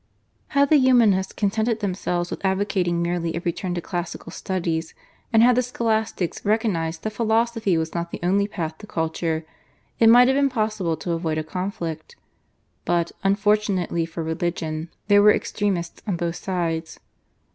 Had the Humanists contented themselves with advocating merely a return to classical studies, and had the Scholastics recognised that philosophy was not the only path to culture, it might have been possible to avoid a conflict. But, unfortunately for religion, there were extremists on both sides.